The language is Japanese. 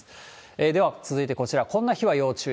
では、続いてこちら、こんな日は要注意。